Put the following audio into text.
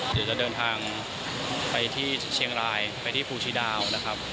เดี๋ยวจะเดินทางไปที่เชียงรายไปที่ภูชีดาวนะครับ